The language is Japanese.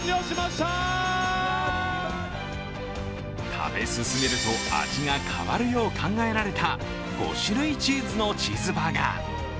食べ進めると味が変わるように考えられた５種類チーズのチーズバーガー。